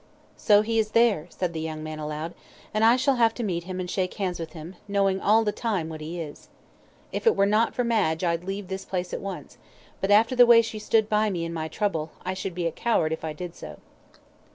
"So he is there," said the young man aloud; "and I shall have to meet him and shake hands with him, knowing all the time what he is. If it were not for Madge I'd leave this place at once, but after the way she stood by me in my trouble, I should be a coward if I did so."